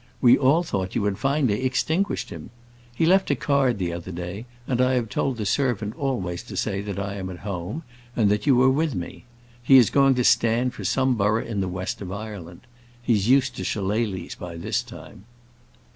We all thought you had finally extinguished him. He left a card the other day, and I have told the servant always to say that I am at home, and that you are with me. He is going to stand for some borough in the west of Ireland. He's used to shillelaghs by this time.